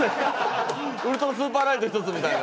「ウルトラスーパーライト１つ」みたいな。